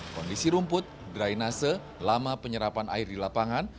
kondisi rumput dry nase lama penyerapan air di lapangan